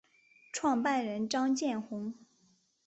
创办人张建宏。